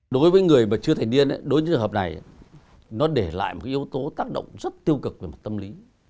đối với người mà chưa thành niên đối với trường hợp này nó để lại một yếu tố tác động rất tiêu cực về mặt tâm lý